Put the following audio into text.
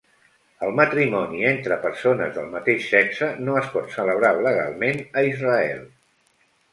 El matrimoni entre persones del mateix sexe no es pot celebrar legalment a Israel.